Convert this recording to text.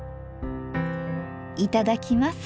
いただきます。